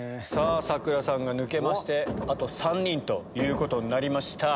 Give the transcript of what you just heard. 佐倉さんが抜けましてあと３人ということになりました。